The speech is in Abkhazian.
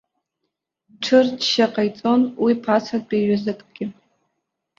Ҽырчча ҟаиҵон уи ԥасатәи иҩызакгьы.